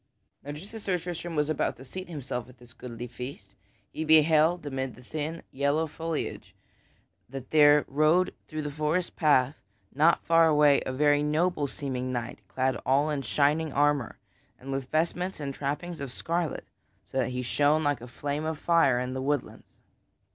Now just as Sir Tristram was about to seat himself at this goodly feast he beheld amid the thin yellow foliage that there rode through a forest path not far away a very noble seeming knight clad all in shining armor and with vestments and trappings of scarlet so that he shone like a flame of fire in the woodlands.